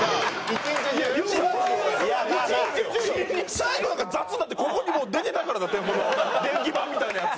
最後なんか雑になってここにもう出てたからな電気盤みたいなやつ。